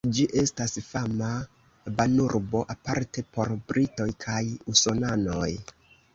Ĝi estas fama banurbo, aparte por britoj kaj usonanoj.